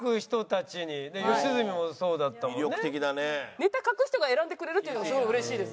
ネタ書く人が選んでくれるっていうのがすごい嬉しいです。